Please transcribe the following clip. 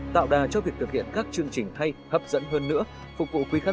tạo đà cho việc thực hiện các chương trình hay hấp dẫn hơn nữa